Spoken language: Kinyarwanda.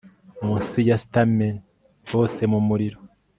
Munsi ya stamen bose mumuriro